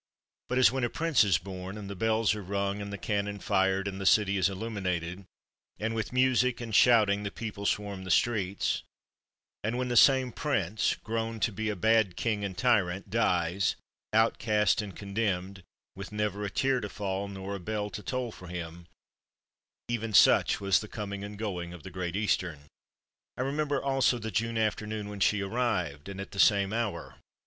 But as when a prince is born, and the bells are rung, and the cannon fired, and the city is illuminated, and with music and shouting the people swarm the streets and when the same prince, grown to be a bad king and tyrant, dies, outcast and contemned, with never a tear to fall nor a bell to toll for him even such was the coming and the going of the Great Eastern. I remember also the June afternoon when she arrived, and at the same hour.